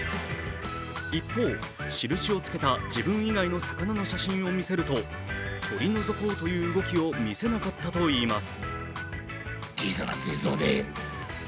一方、印をつけた自分以外の魚の写真を見せると取り除こうという動きをみせなかったといいます。